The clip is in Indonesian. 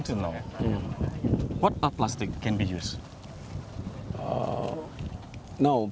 saya ingin tahu apa yang bisa digunakan